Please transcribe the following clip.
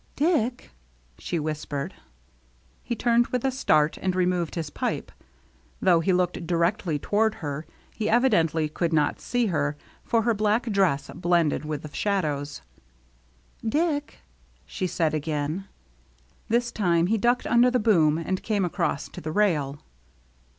" Dick," she whispered. He turned with a start and removed his pipe. Though he looked directly toward her, 201 202 THE MERRT ANNE he evidently could not see her, for her black dress blended with the shadows. " Dick," she said again. This time he ducked under the boom and came across to the rail.